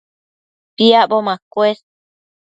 Piacbo macuës